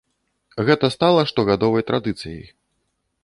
Гэта стала штогадовай традыцыяй.